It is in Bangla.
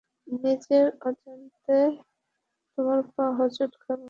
নিজের অজান্তেই তোমার পা হোঁচট খাবে।